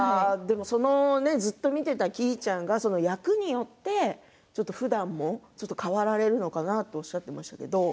ずっと見ていたきいちゃんが役によってふだんも変わられるのかなとおっしゃっていましたけれども。